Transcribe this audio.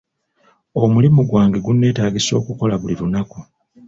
Omulimu gwange guneetagisa okukola buli lunaku.